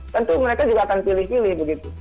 tentu mereka juga akan pilih pilih begitu